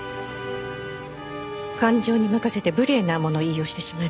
感情に任せて無礼な物言いをしてしまいました。